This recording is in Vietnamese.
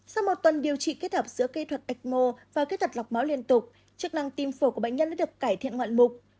sau một tuần điều trị kết hợp giữa kỹ thuật ecmo và kỹ thuật lọc máu liên tục chức năng tim phổi của bệnh nhân đã được cải thiện ngoạn mục